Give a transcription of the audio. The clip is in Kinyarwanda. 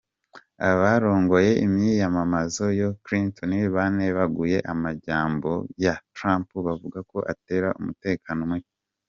Abarongoye imyiyamamazo ya Clinton banebaguye amajambo ya Trump bavuga ko atera umutekano muke.